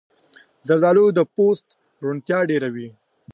زردالو د پوست روڼتیا ډېروي.